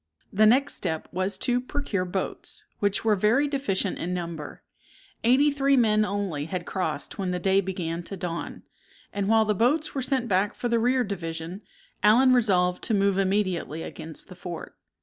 The next step was to procure boats, which were very deficient in number. Eighty three men only had crossed when the day began to dawn; and while the boats were sent back for the rear division, Allen resolved to move immediately against the fort.